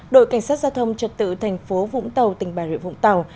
đội cảnh sát giao thông trật tự thành phố vũng tàu tỉnh bà rịa vũng tàu